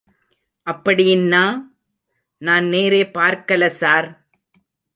அப்படீன்னா? நான் நேரே பார்க்லை சார்.